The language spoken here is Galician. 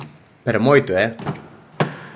¡Pero moito, eh!